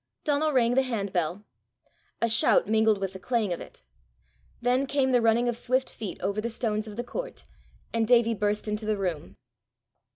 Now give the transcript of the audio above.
Donal rang the handbell. A shout mingled with the clang of it. Then came the running of swift feet over the stones of the court, and Davie burst into the room.